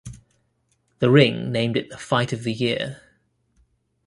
"The Ring" named it the fight of the year.